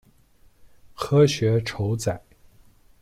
科学酬载